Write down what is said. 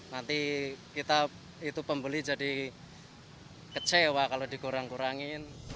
nanti kita itu pembeli jadi kecewa kalau dikurang kurangin